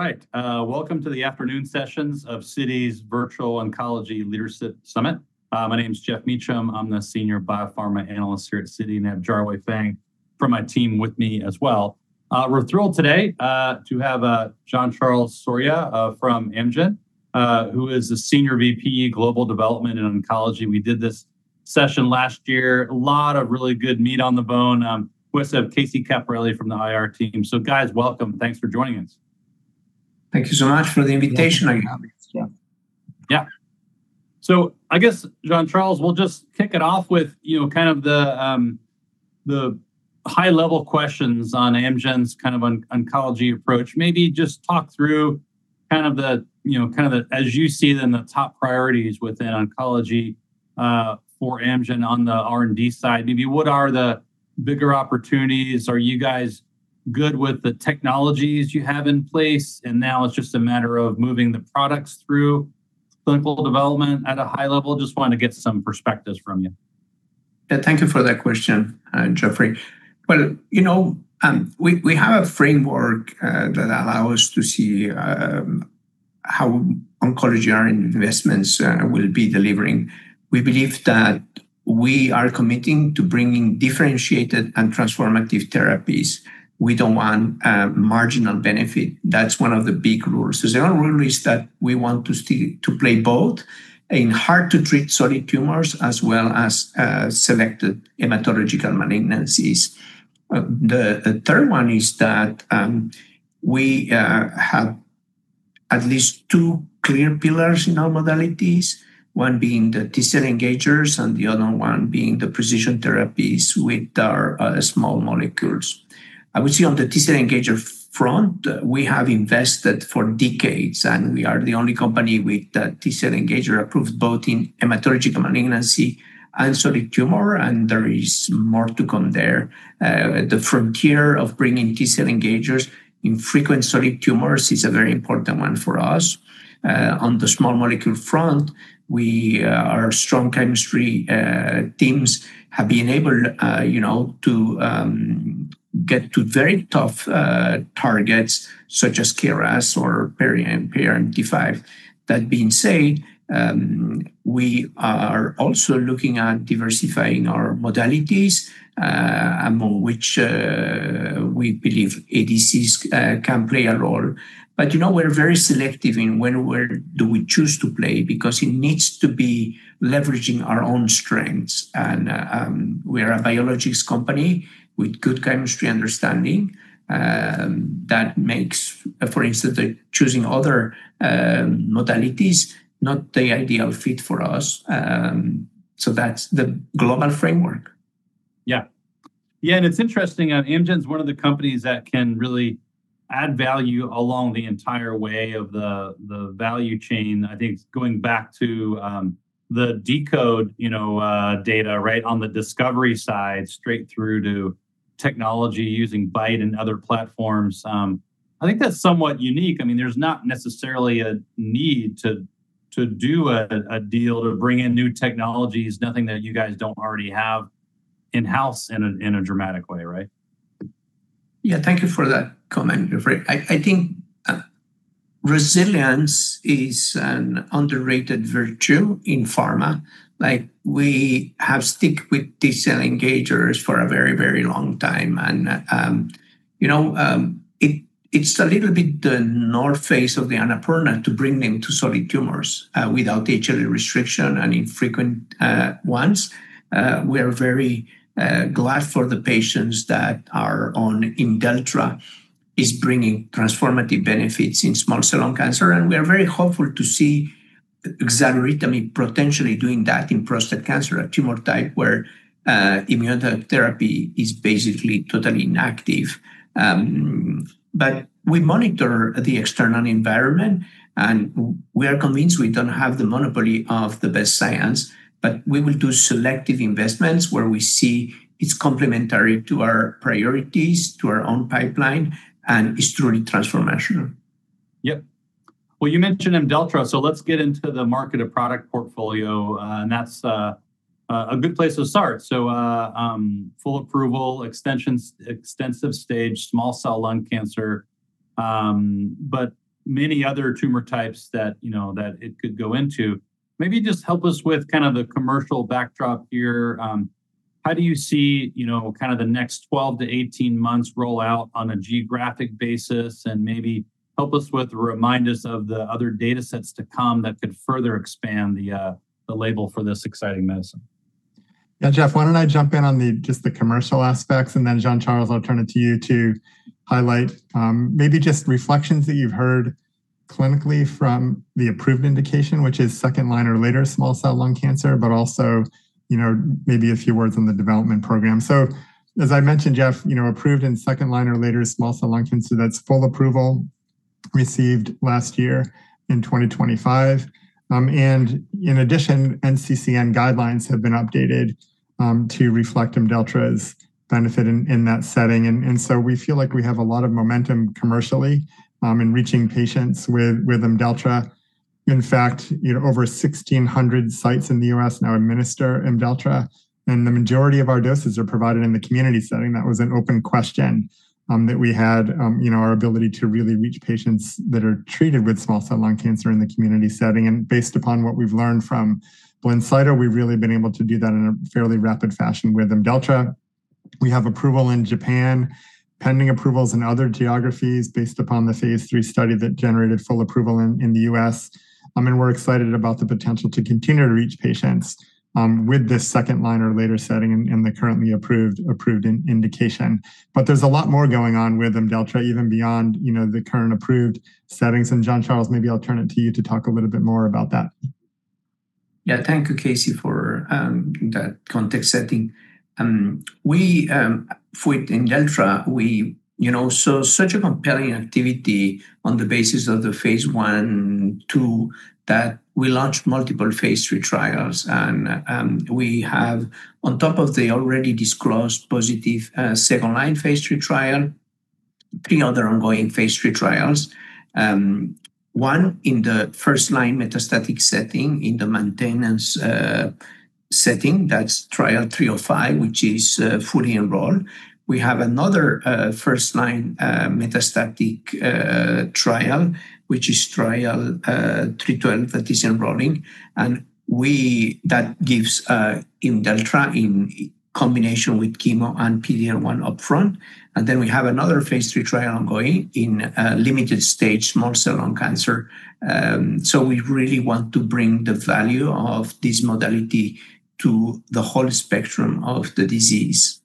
All right, welcome to the afternoon sessions of Citi's Virtual Oncology Leadership Summit. My name is Geoff Meacham. I'm the Senior Biopharma Analyst here at Citi, and I have Jarwei Fang from my team with me as well. We're thrilled today to have Jean-Charles Soria from Amgen, who is the Senior VP, Global Development in Oncology. We did this session last year. A lot of really good meat on the bone, also Casey Capparelli from the IR team. So guys, welcome. Thanks for joining us. Thank you so much for the invitation. I am happy, yeah. Yeah. So I guess, Jean-Charles, we'll just kick it off with, you know, kind of the high-level questions on Amgen's kind of oncology approach. Maybe just talk through kind of the, you know, as you see them, the top priorities within oncology for Amgen on the R&D side. Maybe what are the bigger opportunities? Are you guys good with the technologies you have in place, and now it's just a matter of moving the products through clinical development at a high level? Just want to get some perspectives from you. Yeah, thank you for that question, Geoffrey. Well, you know, we have a framework that allows us to see how oncology, our investments, will be delivering. We believe that we are committing to bringing differentiated and transformative therapies. We don't want marginal benefit. That's one of the big rules. The other rule is that we want to see, to play both in hard-to-treat solid tumors, as well as selected hematological malignancies. The third one is that we have at least two clear pillars in our modalities, one being the T-cell engagers, and the other one being the precision therapies with our small molecules. I would say on the T-cell engager front, we have invested for decades, and we are the only company with the T-cell engager approved both in hematological malignancy and solid tumor, and there is more to come there. The frontier of bringing T-cell engagers in frequent solid tumors is a very important one for us. On the small molecule front, we, our strong chemistry teams have been able, you know, to get to very tough targets such as KRAS or PERI and PRMT5. That being said, we are also looking at diversifying our modalities, among which, we believe ADCs can play a role. But, you know, we're very selective in when, where do we choose to play, because it needs to be leveraging our own strengths. We are a biologics company with good chemistry understanding that makes, for instance, the choosing other modalities not the ideal fit for us. So that's the global framework. Yeah. Yeah, and it's interesting, Amgen's one of the companies that can really add value along the entire way of the value chain. I think it's going back to, the deCODE data, right on the discovery side, straight through to technology using BiTE and other platforms. I think that's somewhat unique. I mean, there's not necessarily a need to do a deal to bring in new technologies, nothing that you guys don't already have in-house in a dramatic way, right? Yeah, thank you for that comment, Geoffrey. I think resilience is an underrated virtue in pharma. Like, we have stuck with T-cell engagers for a very, very long time, and, you know, it's a little bit the north face of the Annapurna to bring them to solid tumors without HLA restriction and in frequent ones. We are very glad for the patients that are on IMDELLTRA. It's bringing transformative benefits in small cell lung cancer, and we are very hopeful to see xaluritamig potentially doing that in prostate cancer, a tumor type where immunotherapy is basically totally inactive. But we monitor the external environment, and we are convinced we don't have the monopoly of the best science, but we will do selective investments where we see it's complementary to our priorities, to our own pipeline, and it's truly transformational. Yep. Well, you mentioned IMDELLTRA, so let's get into the market of product portfolio, and that's a good place to start. So, full approval, extensions, extensive-stage small cell lung cancer, but many other tumor types, you know, that it could go into. Maybe just help us with kind of the commercial backdrop here. How do you see, you know, kind of the next 12-18 months roll out on a geographic basis? And maybe help us with, or remind us of, the other datasets to come that could further expand the label for this exciting medicine. Yeah, Geoff, why don't I jump in on the, just the commercial aspects, and then Jean-Charles, I'll turn it to you to highlight, maybe just reflections that you've heard clinically from the approved indication, which is second-line or later small cell lung cancer, but also, you know, maybe a few words on the development program. So as I mentioned, Geoff, you know, approved in second-line or later small cell lung cancer, that's full approval, received last year in 2025. And in addition, NCCN guidelines have been updated, to reflect IMDELLTRA's benefit in that setting. And so we feel like we have a lot of momentum commercially, in reaching patients with IMDELLTRA. In fact, you know, over 1,600 sites in the U.S. now administer IMDELLTRA, and the majority of our doses are provided in the community setting. That was an open question, that we had, in our ability to really reach patients that are treated with small cell lung cancer in the community setting. And based upon what we've learned from BLINCYTO, we've really been able to do that in a fairly rapid fashion with IMDELLTRA. We have approval in Japan, pending approvals in other geographies based upon the phase III study that generated full approval in, in the U.S. I mean, we're excited about the potential to continue to reach patients, with this second-line or later setting in the currently approved indication. But there's a lot more going on with IMDELLTRA, even beyond, you know, the current approved settings. And Jean-Charles, maybe I'll turn it to you to talk a little bit more about that. Yeah. Thank you, Casey, for that context setting. We, with IMDELLTRA, you know, saw such a compelling activity on the basis of the phase I and II, that we launched multiple phase III trials. And we have, on top of the already disclosed positive second-line phase III trial, three other ongoing phase III trials. One, in the first-line metastatic setting, in the maintenance setting, that's trial 305, which is fully enrolled. We have another first-line metastatic trial, which is trial 312, that is enrolling, and that gives IMDELLTRA in combination with chemo and PD-L1 upfront. And then we have another phase III trial ongoing in limited stage small cell lung cancer. So we really want to bring the value of this modality to the whole spectrum of the disease.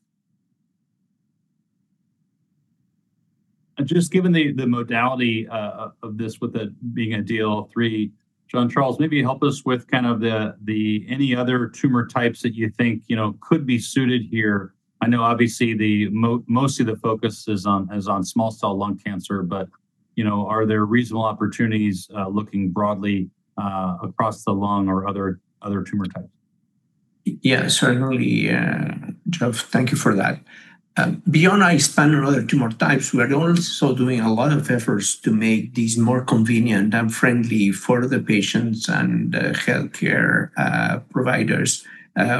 Just given the modality of this with it being a DLL3, Jean-Charles, maybe help us with kind of the any other tumor types that you think, you know, could be suited here. I know obviously, the most of the focus is on small cell lung cancer, but, you know, are there reasonable opportunities looking broadly across the lung or other tumor types? Yeah, certainly, Geoff, thank you for that. Beyond IMDELLTRA and other tumor types, we are also doing a lot of efforts to make this more convenient and friendly for the patients and the healthcare providers.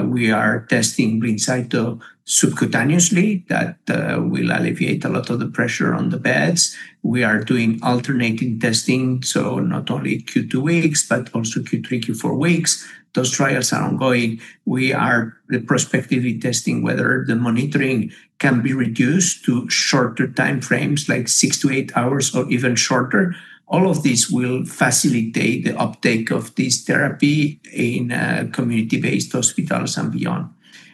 We are testing BLINCYTO subcutaneously. That will alleviate a lot of the pressure on the beds. We are doing alternating testing, so not only q2weeks, but also q3weeks, q4weeks. Those trials are ongoing. We are prospectively testing whether the monitoring can be reduced to shorter time frames, like six to eight hours or even shorter. All of these will facilitate the uptake of this therapy in community-based hospitals and beyond.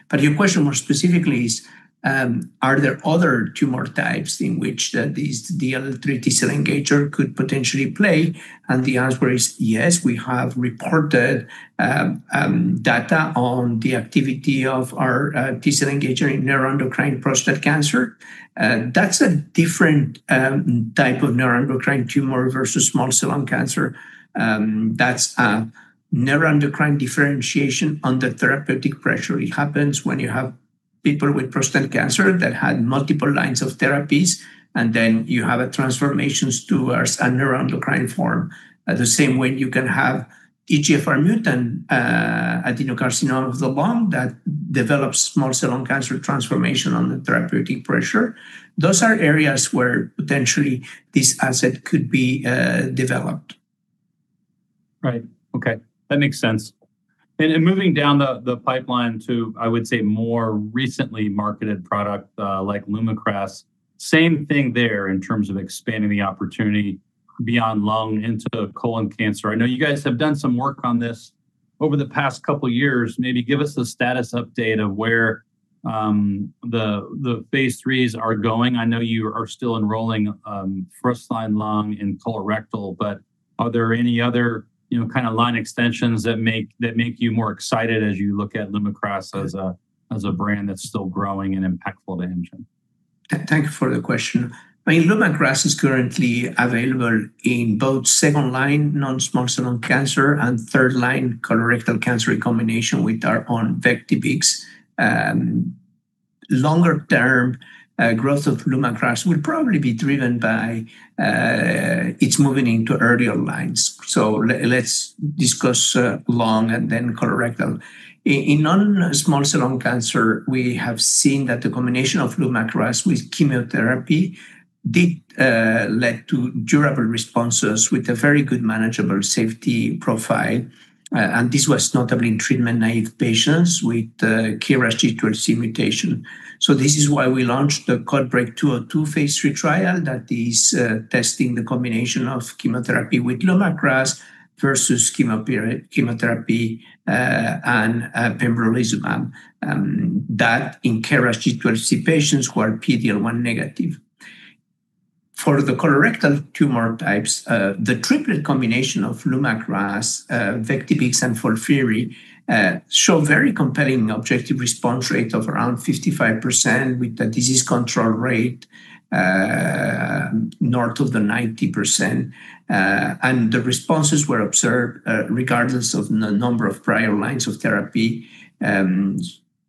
But your question more specifically is, are there other tumor types in which these DLL3 T-cell engager could potentially play? And the answer is yes. We have reported data on the activity of our T-cell engager in neuroendocrine prostate cancer. That's a different type of neuroendocrine tumor versus small cell lung cancer. That's a neuroendocrine differentiation under therapeutic pressure. It happens when you have people with prostate cancer that had multiple lines of therapies, and then you have a transformation towards a neuroendocrine form. The same way you can have EGFR mutant adenocarcinoma of the lung, that develops small cell lung cancer transformation under therapeutic pressure. Those are areas where potentially this asset could be developed. Right. Okay, that makes sense. And moving down the pipeline to, I would say, more recently marketed product, like LUMAKRAS, same thing there in terms of expanding the opportunity beyond lung into colon cancer. I know you guys have done some work on this over the past couple of years. Maybe give us a status update of where the phase IIIs are going. I know you are still enrolling first-line lung and colorectal, but are there any other, you know, kind of line extensions that make you more excited as you look at LUMAKRAS as a brand that's still growing and impactful to Amgen? Thank you for the question. I mean, LUMAKRAS is currently available in both second-line non-small cell lung cancer and third-line colorectal cancer, in combination with our own Vectibix. Longer-term, growth of LUMAKRAS will probably be driven by it's moving into earlier lines. So let's discuss lung and then colorectal. In non-small cell lung cancer, we have seen that the combination of LUMAKRAS with chemotherapy did lead to durable responses with a very good manageable safety profile. And this was notably in treatment-naive patients with KRAS G12C mutation. So this is why we launched the CodeBreaK 202 phase III trial that is testing the combination of chemotherapy with LUMAKRAS versus chemotherapy and pembrolizumab that in KRAS G12C patients who are PD-L1 negative. For the colorectal tumor types, the triplet combination of LUMAKRAS, Vectibix, and FOLFIRI show very compelling objective response rate of around 55%, with the disease control rate north of 90%. The responses were observed regardless of the number of prior lines of therapy,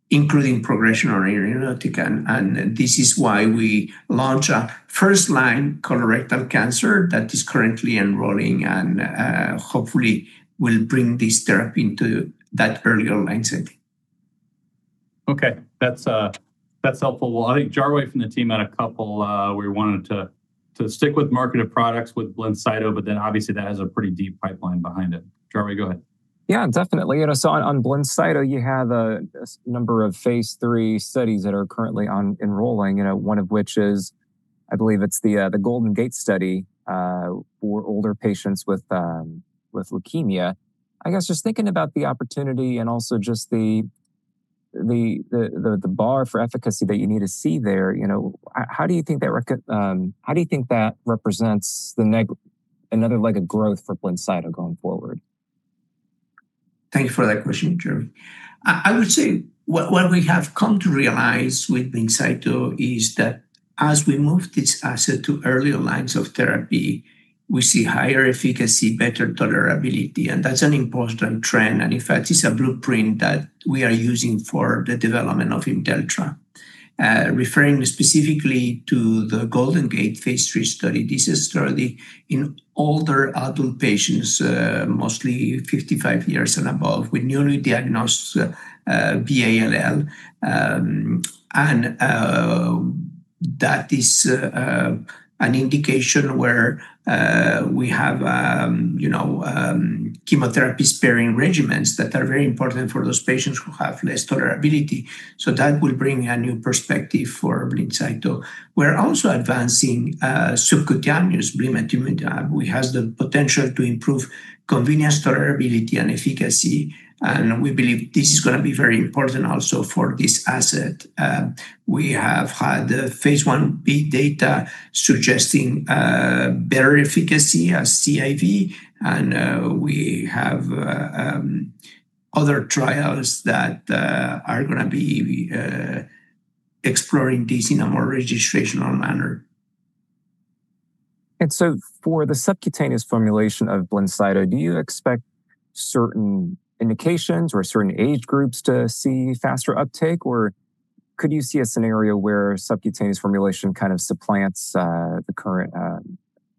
including progression or irinotecan, and this is why we launch a first-line colorectal cancer that is currently enrolling and hopefully will bring this therapy into that earlier mindset. Okay, that's, that's helpful. Well, I think Jarwei from the team had a couple, we wanted to, to stick with market of products with BLINCYTO, but then obviously, that has a pretty deep pipeline behind it. Jarwei, go ahead. Yeah, definitely. You know, so on BLINCYTO, you have a number of phase III studies that are currently enrolling, you know, one of which is, I believe it's the Golden Gate study for older patients with leukemia. I guess, just thinking about the opportunity and also just the bar for efficacy that you need to see there, you know, how do you think that represents another leg of growth for BLINCYTO going forward? Thank you for that question, Jarwei. I would say what we have come to realize with BLINCYTO is that as we move this asset to earlier lines of therapy, we see higher efficacy, better tolerability, and that's an important trend. And in fact, it's a blueprint that we are using for the development of IMDELLTRA. Referring specifically to the Golden Gate phase III study, this is a study in older adult patients, mostly 55 years and above, with newly diagnosed B-ALL. That is an indication where we have, you know, chemotherapy-sparing regimens that are very important for those patients who have less tolerability. So that will bring a new perspective for BLINCYTO. We're also advancing subcutaneous blinatumomab, which has the potential to improve convenience, tolerability, and efficacy, and we believe this is gonna be very important also for this asset. We have had the phase I-B data suggesting better efficacy as CIV, and we have other trials that are gonna be exploring this in a more registrational manner. And so for the subcutaneous formulation of BLINCYTO, do you expect certain indications or certain age groups to see faster uptake? Or could you see a scenario where subcutaneous formulation kind of supplants the current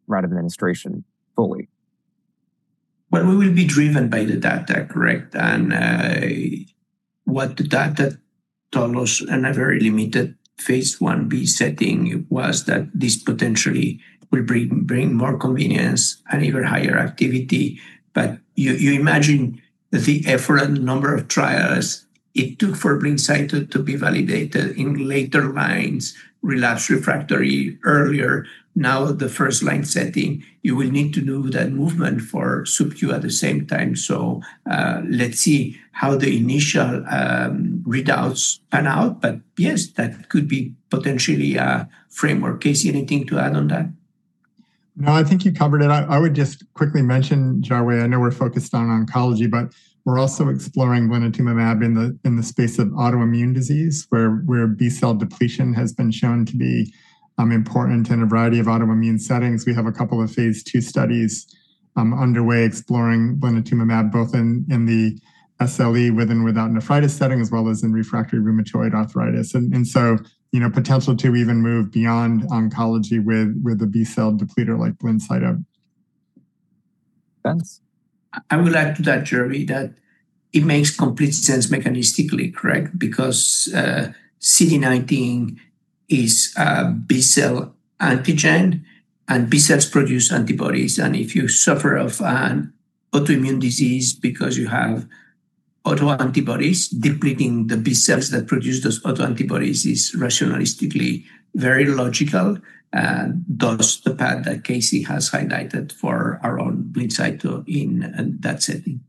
route of administration fully? Well, we will be driven by the data, correct? And what the data tells us in a very limited phase I-B setting was that this potentially will bring more convenience and even higher activity. But you imagine the effort and number of trials it took for BLINCYTO to be validated in later lines, relapsed, refractory earlier. Now, the first-line setting, you will need to do that movement for subcu at the same time. So, let's see how the initial readouts pan out, but yes, that could be potentially a framework. Casey, anything to add on that? No, I think you covered it. I would just quickly mention, Jarwei, I know we're focused on oncology, but we're also exploring blinatumomab in the, in the space of autoimmune disease, where, where B-cell depletion has been shown to be important in a variety of autoimmune settings. We have a couple of phase II studies underway exploring blinatumomab, both in, in the SLE, with and without nephritis setting, as well as in refractory rheumatoid arthritis. And, and so, you know, potential to even move beyond oncology with, with a B-cell depleter like BLINCYTO. Thanks. I would add to that, Jarwei, that it makes complete sense mechanistically, correct? Because, CD19 is a B-cell antigen, and B-cells produce antibodies, and if you suffer of an autoimmune disease because you have autoantibodies, depleting the B-cells that produce those autoantibodies is rationally very logical, and thus the path that Casey has highlighted for our own BLINCYTO in that setting.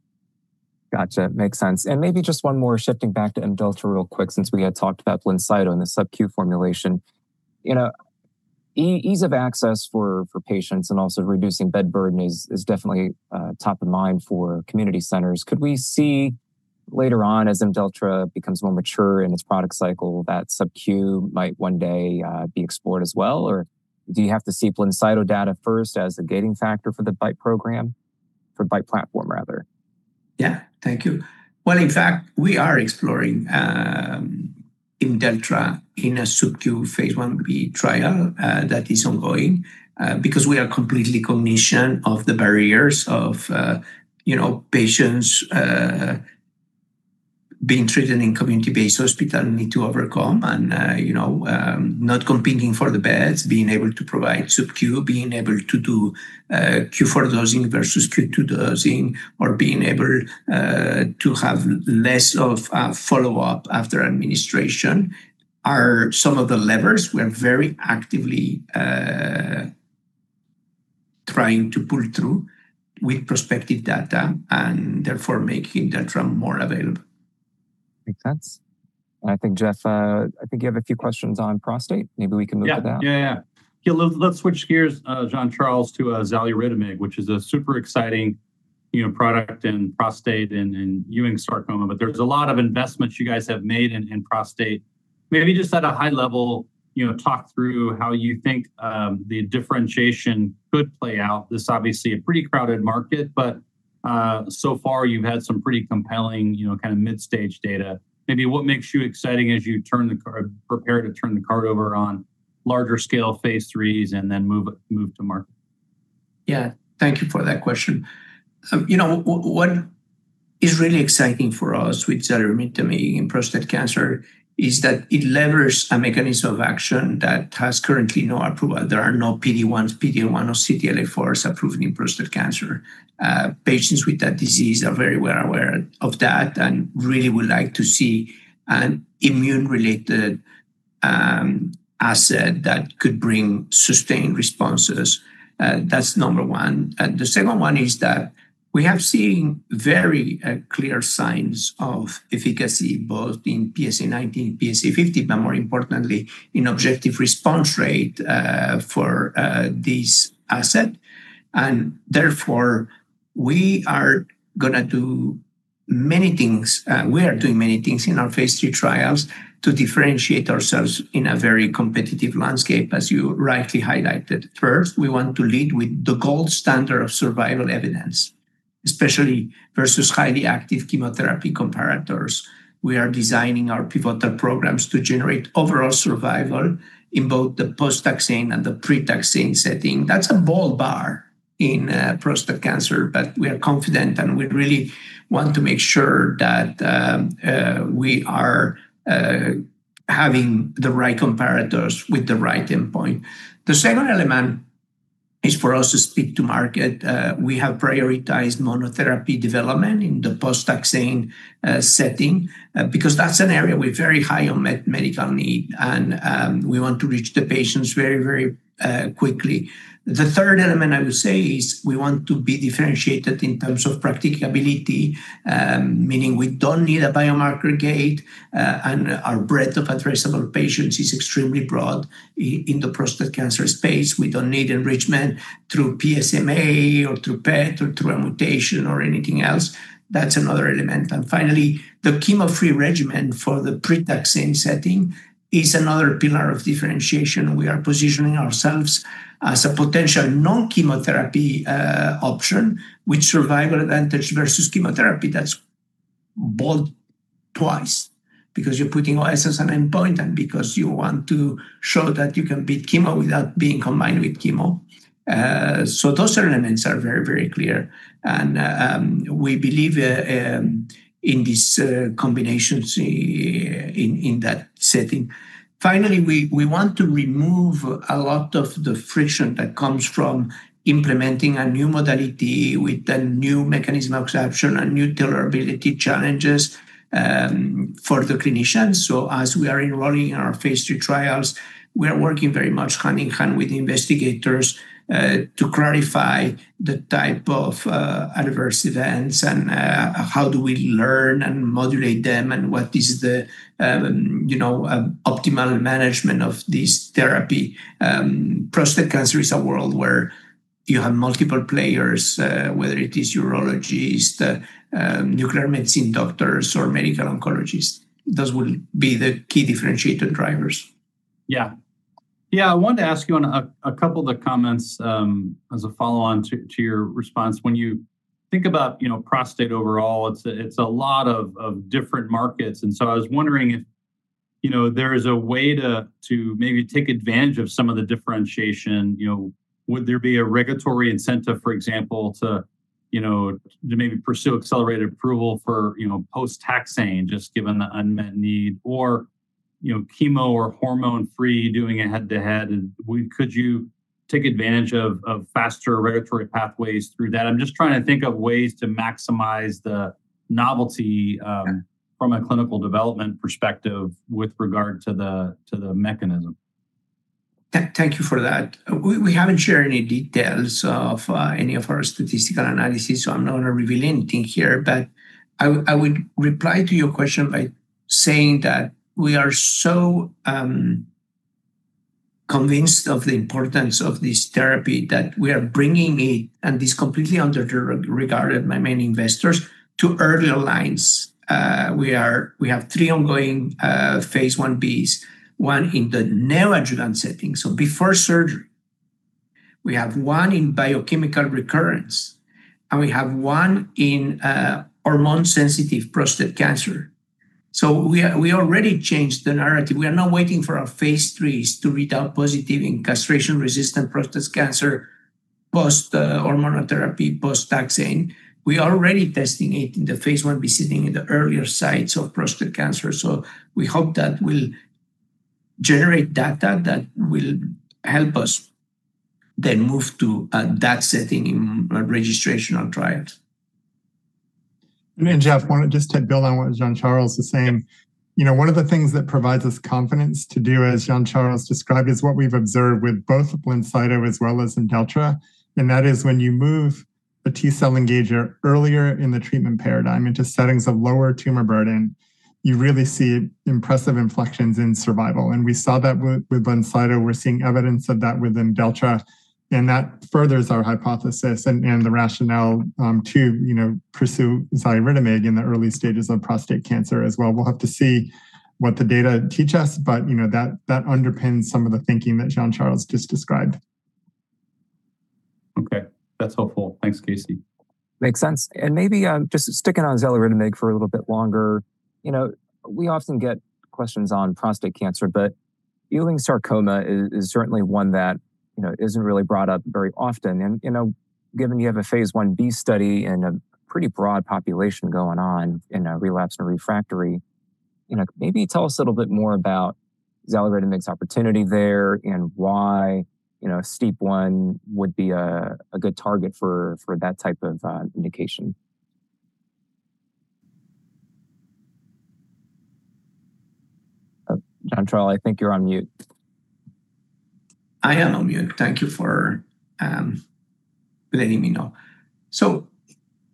Gotcha. Makes sense. Maybe just one more, shifting back to IMDELLTRA real quick, since we had talked about BLINCYTO and the subcu formulation. You know, ease of access for patients and also reducing bed burden is definitely top of mind for community centers. Could we see later on, as IMDELLTRA becomes more mature in its product cycle, that subcu might one day be explored as well? Or do you have to see BLINCYTO data first as the gating factor for the BiTE program? For BiTE platform, rather. Yeah. Thank you. Well, in fact, we are exploring IMDELLTRA in a phase I-B trial that is ongoing because we are completely cognizant of the barriers of, you know, patients being treated in community-based hospital need to overcome and, you know, not competing for the beds, being able to provide subcu, being able to do q4 dosing versus q2 dosing, or being able to have less of a follow-up after administration, are some of the levers we're very actively trying to pull through with prospective data and therefore making IMDELLTRA more available. Makes sense. I think, Geoff, I think you have a few questions on prostate. Maybe we can move to that. Yeah. Yeah, yeah. Yeah, let's switch gears, Jean-Charles, to xaluritamig, which is a super exciting, you know, product in prostate and in Ewing sarcoma. But there's a lot of investments you guys have made in prostate. Maybe just at a high level, you know, talk through how you think the differentiation could play out. This is obviously a pretty crowded market, but so far, you've had some pretty compelling, you know, kind of mid-stage data. Maybe what makes you exciting as you prepare to turn the card over on larger scale phase III's and then move to market? Yeah, thank you for that question. You know, what is really exciting for us with xaluritamig in prostate cancer is that it leverages a mechanism of action that has currently no approval. There are no PD-1s, PD-1 or CTLA-4s approved in prostate cancer. Patients with that disease are very well aware of that and really would like to see an immune-related asset that could bring sustained responses, and that's number one. And the second one is that we have seen very clear signs of efficacy, both in PSA90, PSA50, but more importantly, in objective response rate, for this asset. And therefore, we are gonna do many things, we are doing many things in our phase III trials to differentiate ourselves in a very competitive landscape, as you rightly highlighted. First, we want to lead with the gold standard of survival evidence, especially versus highly active chemotherapy comparators. We are designing our pivotal programs to generate overall survival in both the post-taxane and the pre-taxane setting. That's a bold bar in prostate cancer, but we are confident, and we really want to make sure that we are having the right comparators with the right endpoint. The second element is for us to speak to market. We have prioritized monotherapy development in the post-taxane setting because that's an area with very high unmet medical need, and we want to reach the patients very, very quickly. The third element, I would say, is we want to be differentiated in terms of practicability, meaning we don't need a biomarker gate, and our breadth of addressable patients is extremely broad. In the prostate cancer space, we don't need enrichment through PSMA or through PET or through a mutation or anything else. That's another element. And finally, the chemo-free regimen for the pre-taxane setting is another pillar of differentiation. We are positioning ourselves as a potential non-chemotherapy option with survival advantage versus chemotherapy. That's bold twice because you're putting OS as an endpoint and because you want to show that you can beat chemo without being combined with chemo. So those elements are very, very clear, and we believe in these combinations in that setting. Finally, we want to remove a lot of the friction that comes from implementing a new modality with a new mechanism of action and new tolerability challenges for the clinicians. As we are enrolling in our phase III trials, we are working very much hand in hand with investigators to clarify the type of adverse events and how do we learn and modulate them, and what is the, you know, optimal management of this therapy. Prostate cancer is a world where you have multiple players, whether it is urologists, nuclear medicine doctors, or medical oncologists. Those will be the key differentiator drivers. Yeah. Yeah, I wanted to ask you on a couple of the comments as a follow-on to your response. When you think about, you know, prostate overall, it's a lot of different markets, and so I was wondering if, you know, there is a way to maybe take advantage of some of the differentiation. You know, would there be a regulatory incentive, for example, to, you know, to maybe pursue accelerated approval for, you know, post-taxane, just given the unmet need or, you know, chemo or hormone-free, doing a head-to-head? And would, could you take advantage of faster regulatory pathways through that? I'm just trying to think of ways to maximize the novelty from a clinical development perspective with regard to the mechanism. Thank you for that. We haven't shared any details of any of our statistical analysis, so I'm not gonna reveal anything here, but I would reply to your question by saying that we are so convinced of the importance of this therapy that we are bringing it, and it's completely under the regarded by many investors, to earlier lines. We have three ongoing phase I-B's, one in the neoadjuvant setting, so before surgery. We have one in biochemical recurrence, and we have one in hormone-sensitive prostate cancer. So we already changed the narrative. We are not waiting for our phase III's to read out positive in castration-resistant prostate cancer, post hormonal therapy, post-taxane. We are already testing it in the phase I-A setting in the earlier sites of prostate cancer, so we hope that will generate data that will help us then move to that setting in registrational trials. And Geoff, I wanted just to build on what Jean-Charles is saying. You know, one of the things that provides us confidence to do, as Jean-Charles described, is what we've observed with both BLINCYTO as well as IMDELLTRA, and that is when you move a T-cell engager earlier in the treatment paradigm into settings of lower tumor burden, you really see impressive inflections in survival. We saw that with BLINCYTO. We're seeing evidence of that with IMDELLTRA, and that furthers our hypothesis and the rationale to, you know, pursue xaluritamig in the early stages of prostate cancer as well. We'll have to see what the data teach us, but, you know, that underpins some of the thinking that Jean-Charles just described. Okay, that's helpful. Thanks, Casey. Makes sense. And maybe, just sticking on xaluritamig for a little bit longer, you know, we often get questions on prostate cancer, but Ewing sarcoma is, is certainly one that, you know, isn't really brought up very often. And, you know, given you have phase I-B study and a pretty broad population going on in relapsed and refractory, you know, maybe tell us a little bit more about xaluritamig's opportunity there and why, you know, STEAP1 would be a good target for that type of indication. Jean-Charles, I think you're on mute. I am on mute. Thank you for letting me know. So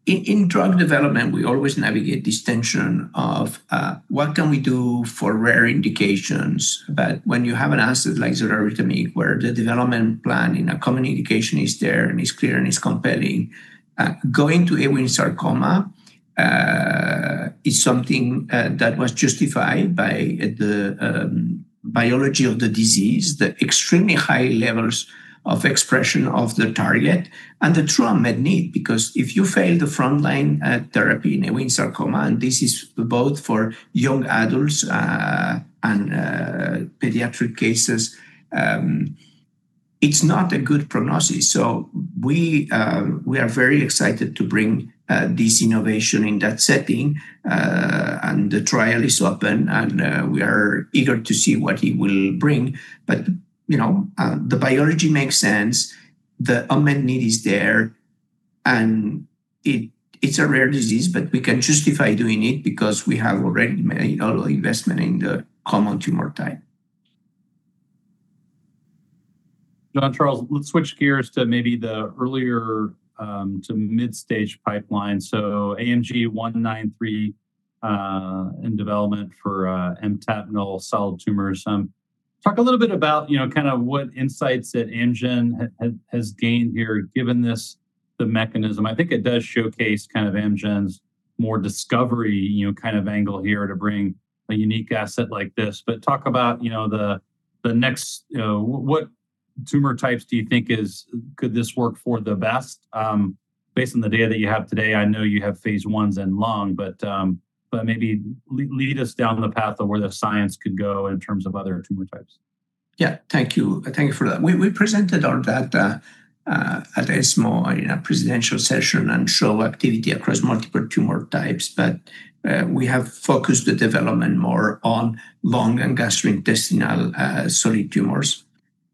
in drug development, we always navigate this tension of what can we do for rare indications? But when you have an asset like xaluritamig, where the development plan in a common indication is there and is clear and is compelling, going to Ewing sarcoma is something that was justified by the biology of the disease, the extremely high levels of expression of the target, and the true unmet need. Because if you fail the frontline therapy in Ewing sarcoma, and this is both for young adults and pediatric cases, it's not a good prognosis. So we are very excited to bring this innovation in that setting. And the trial is open, and we are eager to see what it will bring, but, you know, the biology makes sense, the unmet need is there, and it. It's a rare disease, but we can justify doing it because we have already made early investment in the common tumor type. Jean-Charles, let's switch gears to maybe the earlier to mid-stage pipeline. So AMG 193 in development for MTAP-null solid tumors. Talk a little bit about, you know, kind of what insights that Amgen has gained here, given this, the mechanism. I think it does showcase kind of Amgen's more discovery, you know, kind of angle here to bring a unique asset like this. But talk about, you know, the next. What tumor types do you think could this work for the best? Based on the data that you have today, I know you have phase Is in lung, but maybe lead us down the path of where the science could go in terms of other tumor types. Yeah. Thank you. Thank you for that. We presented our data at ESMO in a presidential session and show activity across multiple tumor types, but we have focused the development more on lung and gastrointestinal solid tumors.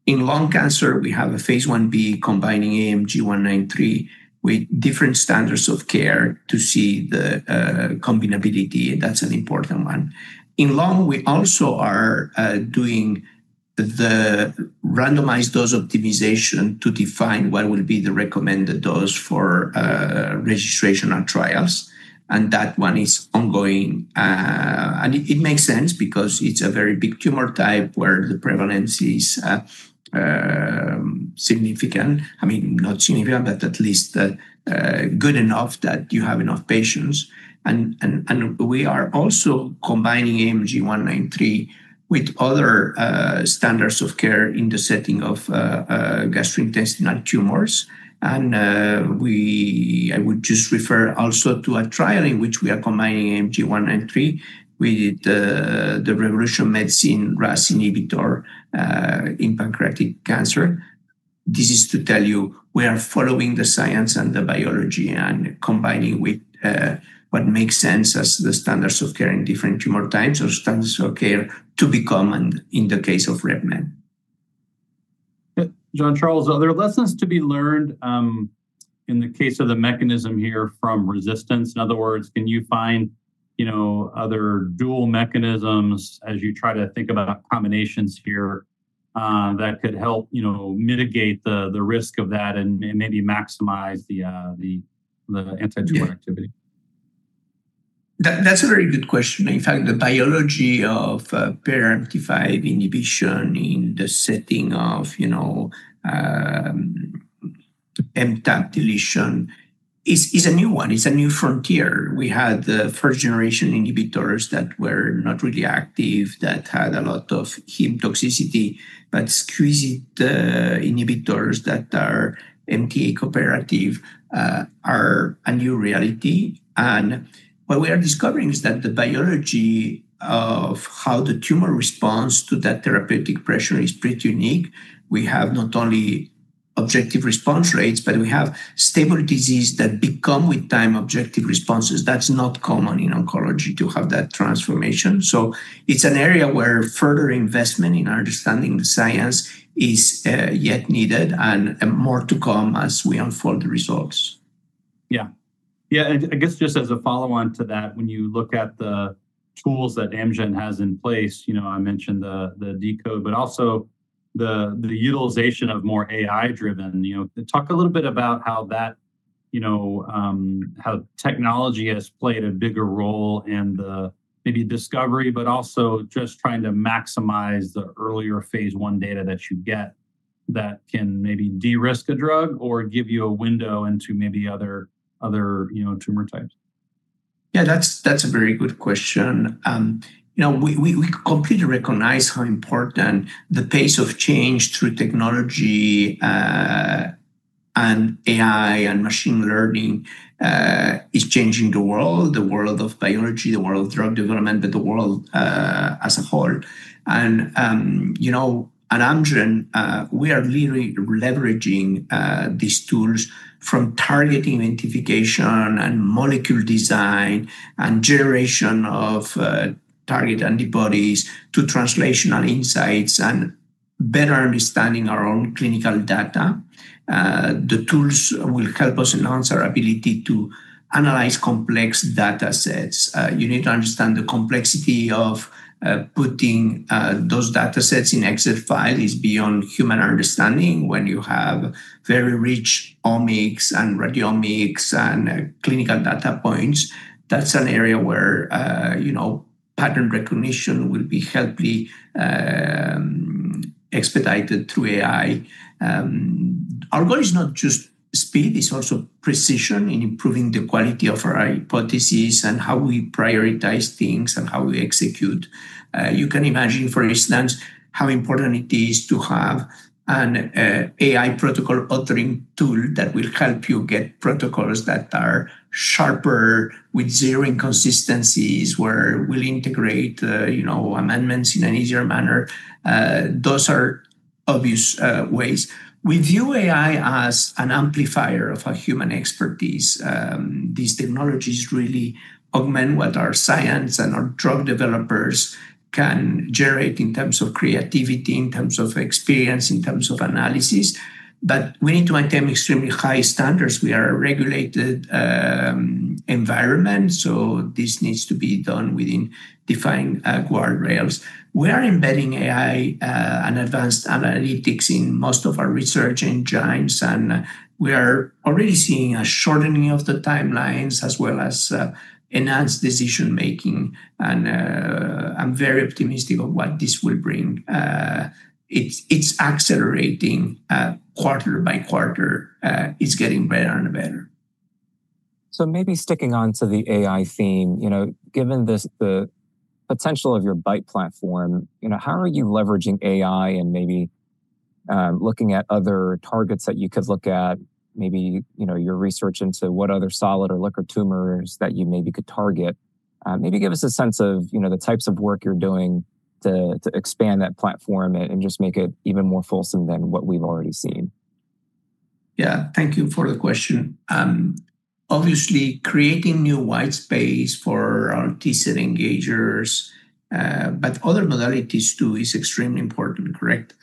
In lung cancer, we have phase I-B combining AMG 193 with different standards of care to see the combinability, that's an important one. In lung, we also are doing the randomized dose optimization to define what will be the recommended dose for registration on trials, and that one is ongoing. And it makes sense because it's a very big tumor type, where the prevalence is significant. I mean, not significant, but at least good enough that you have enough patients. We are also combining AMG 193 with other standards of care in the setting of gastrointestinal tumors. I would just refer also to a trial in which we are combining AMG 193 with the Revolution Medicines RAS inhibitor in pancreatic cancer. This is to tell you, we are following the science and the biology and combining with what makes sense as the standards of care in different tumor types or standards of care to be common in the case of Rev Med. Yeah. Jean-Charles, are there lessons to be learned in the case of the mechanism here from resistance? In other words, can you find, you know, other dual mechanisms as you try to think about a combination sphere that could help, you know, mitigate the risk of that and maybe maximize the anti-tumor activity? Yeah. That's a very good question. In fact, the biology of PRMT5 inhibition in the setting of, you know, MTAP deletion is a new one, it's a new frontier. We had the first-generation inhibitors that were not really active, that had a lot of high toxicity, but second-generation inhibitors that are MTA-cooperative are a new reality. And what we are discovering is that the biology of how the tumor responds to that therapeutic pressure is pretty unique. We have not only objective response rates, but we have stable disease that become, with time, objective responses. That's not common in oncology to have that transformation. So it's an area where further investment in understanding the science is yet needed, and more to come as we unfold the results. Yeah. Yeah, and I guess just as a follow-on to that, when you look at the tools that Amgen has in place, you know, I mentioned the deCODE, but also the utilization of more AI-driven, you know, talk a little bit about how that, you know, how technology has played a bigger role in the maybe discovery, but also just trying to maximize the earlier phase I data that you get, that can maybe de-risk a drug or give you a window into maybe other tumor types. Yeah, that's, that's a very good question. You know, we completely recognize how important the pace of change through technology and AI and machine learning is changing the world, the world of biology, the world of drug development, but the world as a whole. You know, at Amgen, we are really leveraging these tools from target identification and molecule design, and generation of target antibodies to translational insights and better understanding our own clinical data. The tools will help us enhance our ability to analyze complex data sets. You need to understand the complexity of putting those data sets in Excel file is beyond human understanding when you have very rich omics and radiomics and clinical data points. That's an area where, you know, pattern recognition will be heavily expedited through AI. Our goal is not just speed, it's also precision in improving the quality of our hypotheses and how we prioritize things and how we execute. You can imagine, for instance, how important it is to have an AI protocol authoring tool that will help you get protocols that are sharper, with zero inconsistencies, where we'll integrate, you know, amendments in an easier manner. Those are obvious ways. We view AI as an amplifier of our human expertise. These technologies really augment what our science and our drug developers can generate in terms of creativity, in terms of experience, in terms of analysis. But we need to maintain extremely high standards. We are a regulated environment, so this needs to be done within defined guardrails. We are embedding AI and advanced analytics in most of our research engines, and we are already seeing a shortening of the timelines as well as enhanced decision-making, and I'm very optimistic of what this will bring. It's accelerating quarter by quarter. It's getting better and better. So maybe sticking on to the AI theme, you know, given this, the potential of your BiTE platform, you know, how are you leveraging AI and maybe looking at other targets that you could look at? Maybe, you know, your research into what other solid or liquid tumors that you maybe could target. Maybe give us a sense of, you know, the types of work you're doing to expand that platform and just make it even more fulsome than what we've already seen. Yeah, thank you for the question. Obviously, creating new white space for our T-cell engagers, but other modalities, too, is extremely important, correct?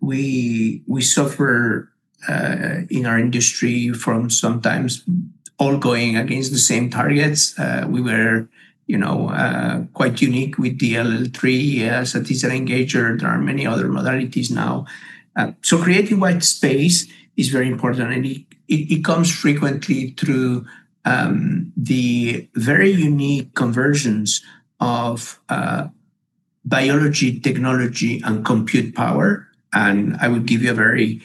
We suffer in our industry from sometimes all going against the same targets. We were, you know, quite unique with DLL3 as a T-cell engager. There are many other modalities now. So creating white space is very important, and it comes frequently through the very unique conversions of biology, technology, and compute power, and I will give you a very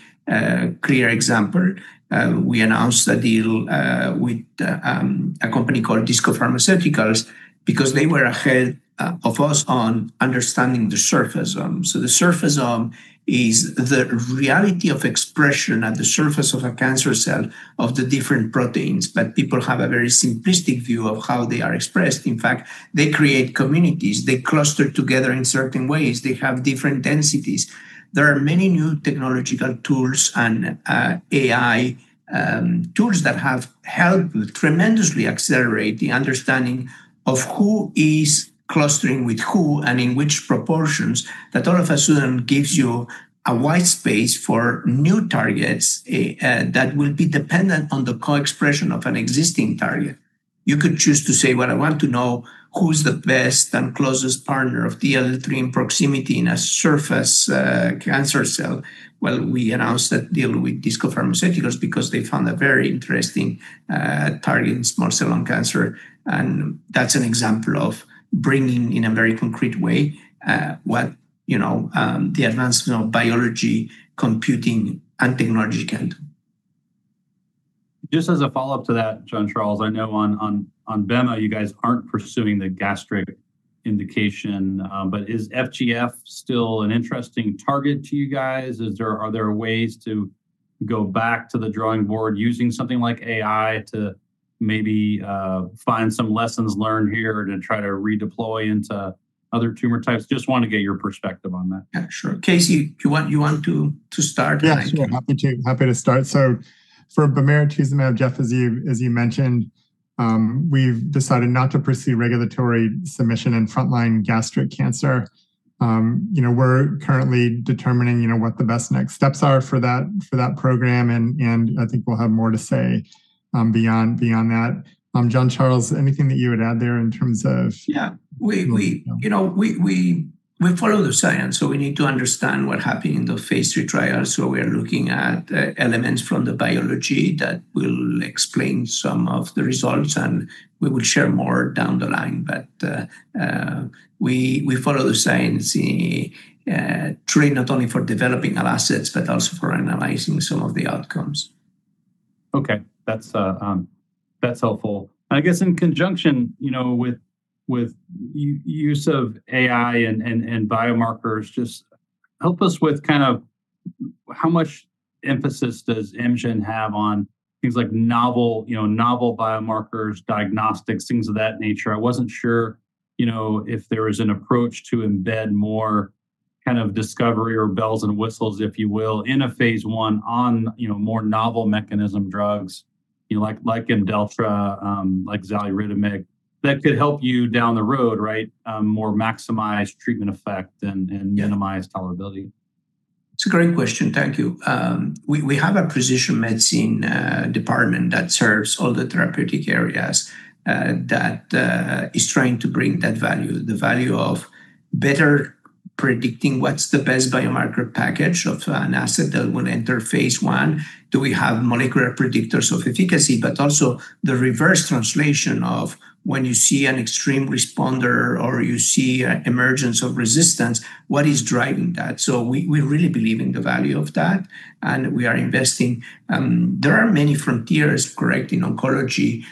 clear example. We announced a deal with a company called DISCO Pharmaceuticals because they were ahead of us on understanding the surfaceome. So the surfaceome is the reality of expression at the surface of a cancer cell of the different proteins, but people have a very simplistic view of how they are expressed. In fact, they create communities. They cluster together in certain ways. They have different densities. There are many new technological tools and, AI, tools that have helped tremendously accelerate the understanding of who is clustering with who and in which proportions. That all of a sudden gives you a wide space for new targets, that will be dependent on the co-expression of an existing target. You could choose to say, well, I want to know who's the best and closest partner of the other three in proximity in a surface, cancer cell" Well, we announced that deal with DISCO Pharmaceuticals because they found a very interesting, target in small cell lung cancer, and that's an example of bringing, in a very concrete way, what, you know, the advancement of biology, computing, and technology can do. Just as a follow-up to that, Jean-Charles, I know on bema, you guys aren't pursuing the gastric indication, but is FGF still an interesting target to you guys? Are there ways to go back to the drawing board using something like AI to maybe find some lessons learned here to try to redeploy into other tumor types? Just want to get your perspective on that. Yeah, sure. Casey, you want to start? Yeah, I'm happy to start. So for bemarituzumab, Geoff, as you mentioned, we've decided not to pursue regulatory submission in frontline gastric cancer. You know, we're currently determining, you know, what the best next steps are for that program and I think we'll have more to say beyond that. Jean-Charles, anything that you would add there? Yeah, you know, we follow the science, so we need to understand what happened in the phase III trial. So we are looking at elements from the biology that will explain some of the results, and we will share more down the line. But we follow the science in truly not only for developing our assets, but also for analyzing some of the outcomes. Okay, that's helpful. I guess in conjunction, you know, with use of AI and biomarkers, just help us with kind of how much emphasis does Amgen have on things like novel, you know, novel biomarkers, diagnostics, things of that nature? I wasn't sure, you know, if there is an approach to embed more kind of discovery or bells and whistles, if you will, in a phase one on, you know, more novel mechanism drugs, you know, like IMDELLTRA, like xaluritamig, that could help you down the road, right? More maximize treatment effect and minimize tolerability. It's a great question. Thank you. We, we have a precision medicine department that serves all the therapeutic areas that is trying to bring that value, the value of better predicting what's the best biomarker package of an asset that will enter phase I. Do we have molecular predictors of efficacy? But also the reverse translation of when you see an extreme responder or you see a emergence of resistance, what is driving that? So we, we really believe in the value of that, and we are investing. There are many frontiers, correct, in oncology,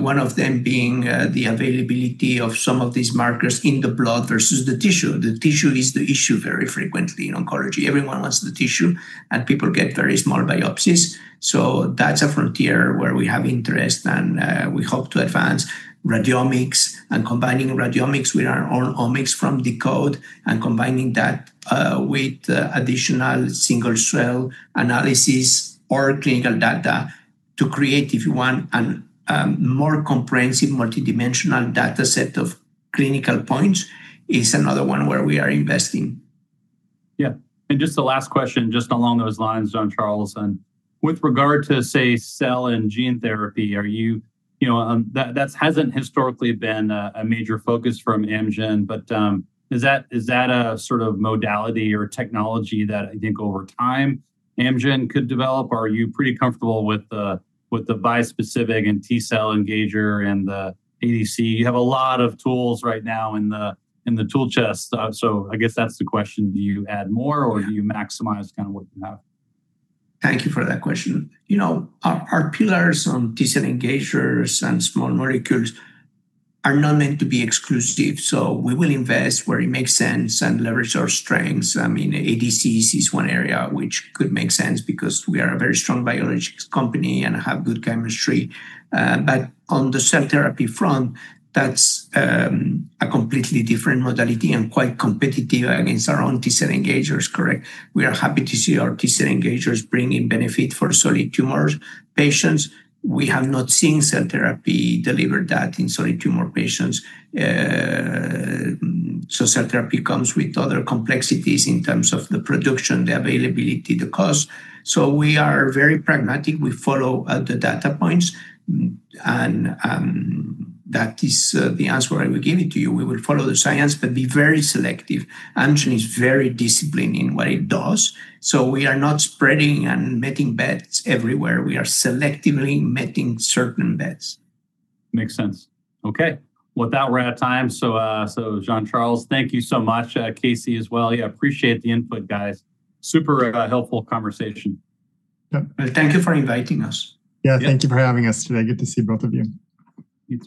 one of them being the availability of some of these markers in the blood versus the tissue. The tissue is the issue very frequently in oncology. Everyone wants the tissue, and people get very small biopsies. So that's a frontier where we have interest and we hope to advance radiomics and combining radiomics with our own omics from deCODE, and combining that with additional single-cell analysis or clinical data to create, if you want, a more comprehensive multidimensional dataset of clinical points is another one where we are investing. Yeah. And just the last question, just along those lines, Jean-Charles, and with regard to, say, cell and gene therapy, you know, that hasn't historically been a major focus from Amgen, but, is that a sort of modality or technology that I think over time Amgen could develop? Are you pretty comfortable with the, with the bispecific and T-cell engager and the ADC? You have a lot of tools right now in the, in the tool chest, so I guess that's the question: Do you add more or do you maximize kind of what you have? Thank you for that question. You know, our pillars on T-cell engagers and small molecules are not meant to be exclusive, so we will invest where it makes sense and leverage our strengths. I mean, ADCs is one area which could make sense because we are a very strong biologics company and have good chemistry. But on the cell therapy front, that's a completely different modality and quite competitive against our own T-cell engagers. Correct. We are happy to see our T-cell engagers bringing benefit for solid tumors patients. We have not seen cell therapy deliver that in solid tumor patients. So cell therapy comes with other complexities in terms of the production, the availability, the cost. So we are very pragmatic. We follow the data points, and that is the answer I will give it to you. We will follow the science but be very selective. Amgen is very disciplined in what it does, so we are not spreading and betting bets everywhere. We are selectively making certain bets. Makes sense. Okay. With that, we're out of time, so, so Jean-Charles, thank you so much, Casey as well. Yeah, appreciate the input, guys. Super helpful conversation. Yep. Thank you for inviting us. Yeah, thank you for having us today. Good to see both of you. You too.